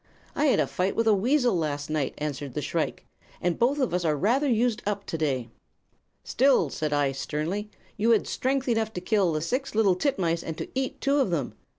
"'I had a fight with a weasel last night,' answered the shrike, 'and both of us are rather used up, today.' "'Still,' said I, sternly, 'you had strength enough to kill the six little titmice, and to eat two of them.'